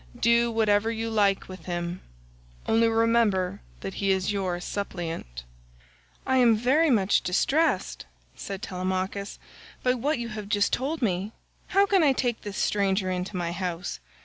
Do whatever you like with him, only remember that he is your suppliant." "I am very much distressed," said Telemachus, "by what you have just told me. How can I take this stranger into my house?